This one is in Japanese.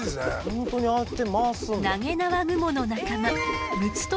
本当にああやって回すんだ。